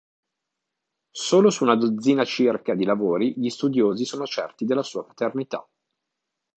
Solo su una dozzina circa di lavori gli studiosi sono certi della sua paternità.